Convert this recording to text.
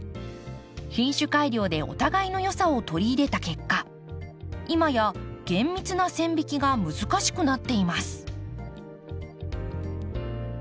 品種改良でお互いのよさを取り入れた結果今や厳密な線引きが難しくなっています。